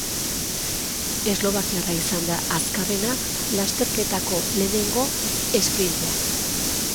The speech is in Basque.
Eslovakiarra izan da azkarrena lasterketako lehenengo esprintean.